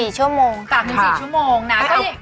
๓๔ชั่วโมงนะ